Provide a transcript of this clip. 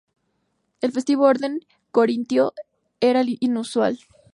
El festivo orden corintio era el usual.